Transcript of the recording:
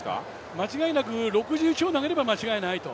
間違いなく６０強を投げれば間違いないと。